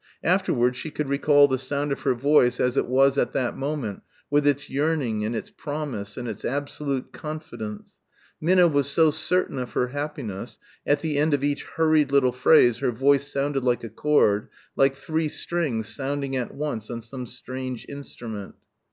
Afterwards she could recall the sound of her voice as it was at that moment with its yearning and its promise and its absolute confidence, Minna was so certain of her happiness at the end of each hurried little phrase her voice sounded like a chord like three strings sounding at once on some strange instrument.